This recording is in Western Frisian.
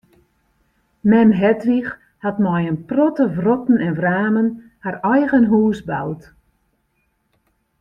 Mem Hedwig hat mei in protte wrotten en wramen har eigen hûs boud.